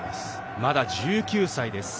まだ１９歳です。